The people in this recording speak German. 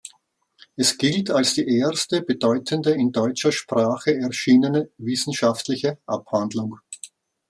Es gilt als die erste bedeutende in deutscher Sprache erschienene wissenschaftliche Abhandlung.